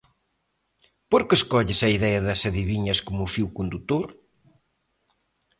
Por que escolles a idea das adiviñas como fío condutor?